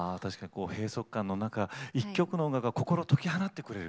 閉塞感の中、１曲の音楽が心を解き放ってくれる。